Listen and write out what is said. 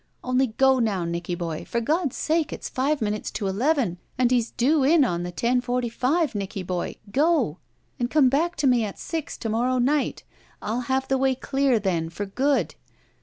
Only go now, Nicky boy. For God's sake, it's five minutes to eleven and he's due in on that ten forty five. Nicky boy, go, and come back to me at six to morrow night. 1*11 have the way dear then, for good.